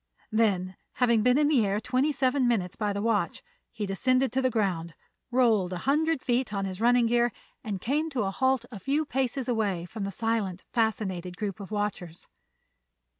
Then, having been in the air twenty seven minutes by the watch, he descended to the ground, rolled a hundred feet on his running gear and came to a halt a few paces away from the silent, fascinated group of watchers.